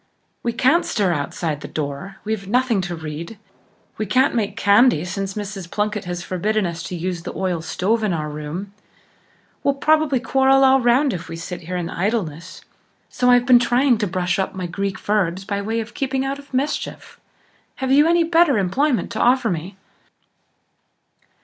We can't stir outside the door; we've nothing to read; we can't make candy since Mrs. Plunkett has forbidden us to use the oil stove in our room; we'll probably quarrel all round if we sit here in idleness; so I've been trying to brush up my Greek verbs by way of keeping out of mischief. Have you any better employment to offer me?"